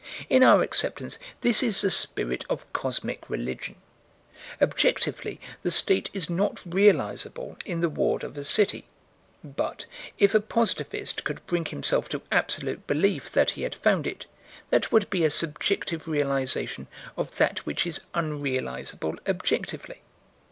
In our acceptance this is the spirit of cosmic religion. Objectively the state is not realizable in the ward of a city. But, if a positivist could bring himself to absolute belief that he had found it, that would be a subjective realization of that which is unrealizable objectively.